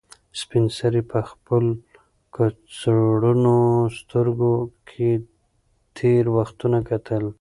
سپین سرې په خپل کڅوړنو سترګو کې تېر وختونه کتل.